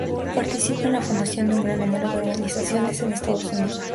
Participa en la fundación de un gran número de organizaciones en Estados Unidos.